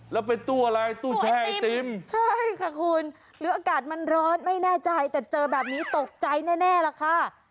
แล้วเป็นตู้อะไรตู้แช่ไอติมใช่ค่ะคุณหรืออากาศมันร้อนไม่แน่ใจแต่เจอแบบนี้ตกใจแน่ล่ะค่ะ